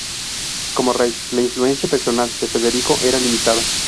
Como rey, la influencia personal de Federico era limitada.